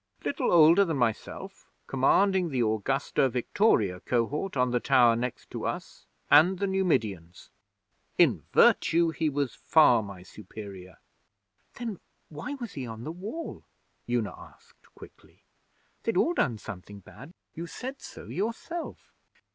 Little older than myself, commanding the Augusta Victoria Cohort on the tower next to us and the Numidians. In virtue he was far my superior.' 'Then why was he on the Wall?' Una asked, quickly. 'They'd all done something bad. You said so yourself.'